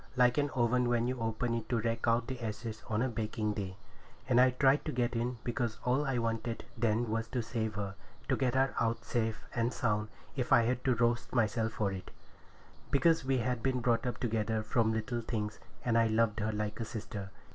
like an oven when you open it to rake out the ashes on a baking day. And I tried to get in, because all I wanted then was to save her—to get her out safe and sound, if I had to roast myself for it, because we had been brought up together from little things, and I loved her like a sister.